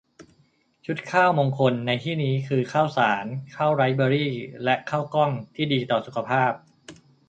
ชุดข้าวมงคลในที่นี้คือ ข้าวสาร ข้าวไรซ์เบอร์รี และข้าวกล้อง ที่ดีต่อสุขภาพ